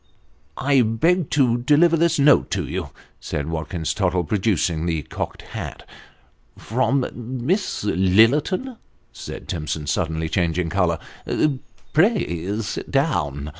" I beg to deliver this note to you," said Watkins Tottle, producing the cocked hat. " From Miss Lillerton !" said Timson, suddenly changing colour. " Pray sit down." Mr.